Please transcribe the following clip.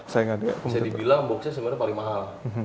bisa dibilang boxnya sebenarnya paling mahal